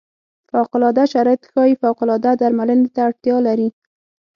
فوق العاده شرایط ښايي فوق العاده درملنې ته اړتیا لري.